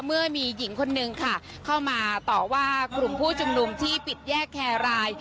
เมื่อมีหญิงคนนึงค่ะเข้ามาต่อว่ากลุ่มผู้ชุมนุมที่ปิดแยกแครราย